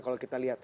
kalau kita lihat